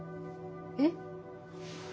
えっ？